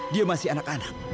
dia masih anak anak